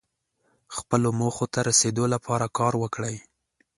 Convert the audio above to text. خپلو موخو ته رسیدو لپاره کار وکړئ.